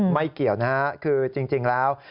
ไม่เกี่ยวจริงแล้ว